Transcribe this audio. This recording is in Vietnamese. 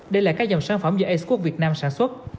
đây là các dòng sản phẩm do expok việt nam sản xuất